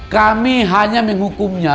kami hanya menghukumnya